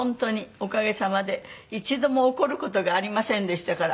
おかげさまで一度も怒る事がありませんでしたから。